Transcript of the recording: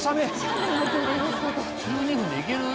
１２分でいける？